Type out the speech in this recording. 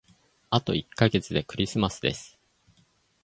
あと一ヶ月でクリスマスです。